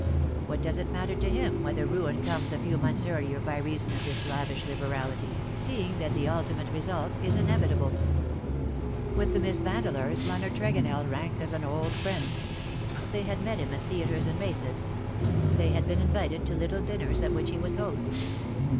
What does it matter to him whether ruin comes a few months earlier by reason of this lavish liberality, seeing that the ultimate result is inevitable. With the Miss Vandeleurs Leonard Tregonell ranked as an old friend. They had met him at theatres and races; they had been invited to 183 "and pale from the past little dinners at wliicli lie was host.